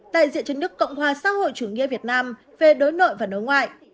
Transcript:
đại diện chân nước cộng hòa xã hội chủ nghĩa việt nam về đối nội và nối ngoại